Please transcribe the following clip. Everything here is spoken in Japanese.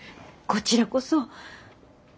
こちらこそ。